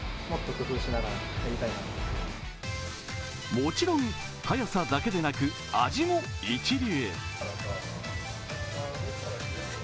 もちろん早さだけでなく、味も一流。